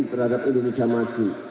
terhadap indonesia maju